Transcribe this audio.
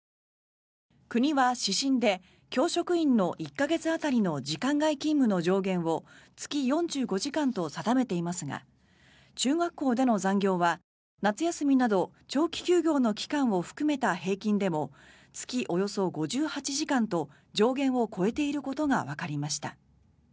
国は指針で教職員の１か月当たりの時間外勤務の上限を月４５時間と定めていますが中学校での残業は夏休みなど長期休業の期間を含めた平均でも月およそ５８時間と上限を超えていることがわかりました。